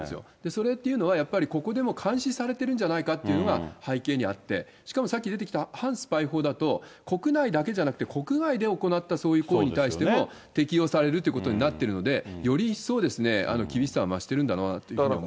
それっていうのは、やっぱりここでも監視されてるんじゃないかっていうのが背景にはあって、しかもさっき出てきた反スパイ法だと、国内だけじゃなくて国外で行ったそういう行為に対しても適用されるってことになってるので、より一層厳しさを増してるんだろうなというふうに思いますね。